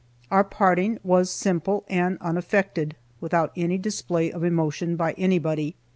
Our parting was simple and unaffected, without any display of emotion by anybody.